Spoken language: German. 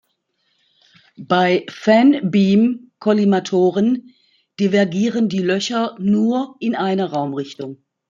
Bei "Fanbeam"-Kollimatoren divergieren die Löcher nur in einer Raumrichtung.